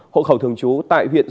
hộ khẩu thường trú tại huyện